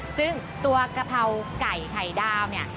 ซึ่งตัวกะเพราไก่ไข่ดาวเนี่ย